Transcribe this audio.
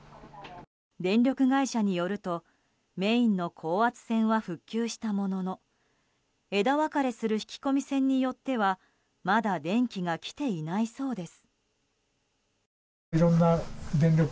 電力会社によるとメインの高圧線は復旧したものの枝分かれする引き込み線によってはまだ電気が来ていないそうです。